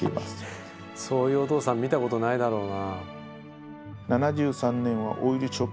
そういうお父さん見たことないだろうな。